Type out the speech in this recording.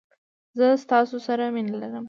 زه ستا سره مینه لرم.